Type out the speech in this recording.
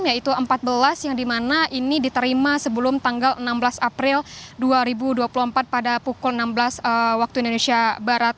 yaitu empat belas yang dimana ini diterima sebelum tanggal enam belas april dua ribu dua puluh empat pada pukul enam belas waktu indonesia barat